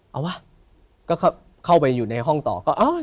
เอ้าวะก็เข้าไปอยู่ในโรงตอน